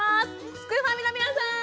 すくファミの皆さん！